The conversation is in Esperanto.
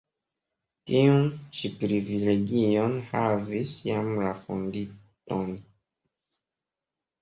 Tiun ĉi privilegion havis jam la fondintoj.